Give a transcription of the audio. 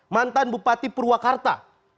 mantan bupati purwakarta